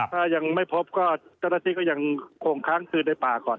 ถ้ายังไม่พบก็เจ้าหน้าที่ก็ยังคงค้างคืนในป่าก่อน